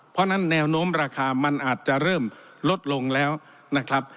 เพราะฉะนั้นแนวโน้มราคามันอาจจะเริ่มลดลงแล้วนะครับ